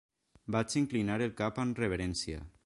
Vaig inclinar el cap amb reverència.